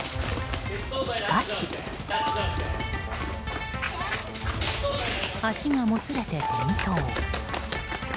しかし、足がもつれて転倒。